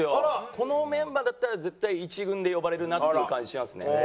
このメンバーだったら絶対１軍で呼ばれるなっていう感じしますね。